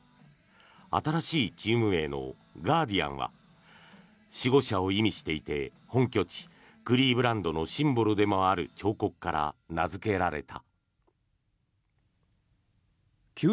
新しいチーム名のガーディアンは守護者を意味していて本拠地クリーブランドのシンボルでもある彫刻から名付けられた。